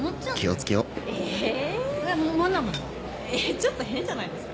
ちょっと変じゃないですか？